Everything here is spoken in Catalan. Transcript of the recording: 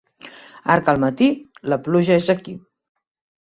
Arc al matí, la pluja és aquí.